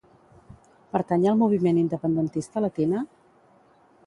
Pertany al moviment independentista la Tina?